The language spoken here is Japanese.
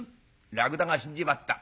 「『らくだが死んじまった。